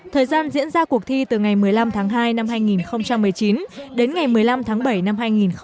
thời gian diễn ra cuộc thi từ ngày một mươi năm tháng hai năm hai nghìn một mươi chín đến ngày một mươi năm tháng bảy năm hai nghìn hai mươi